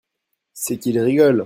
C'est qu'il rigole.